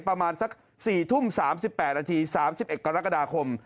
ประมาณสัก๔ทุ่ม๓๘นาที๓๑กรกฎาคม